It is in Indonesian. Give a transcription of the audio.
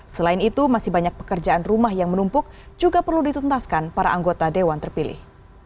selain itu masih banyak pekerjaan rumah yang menumpuk juga perlu dituntaskan para anggota dewan terpilih